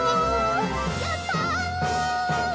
やった！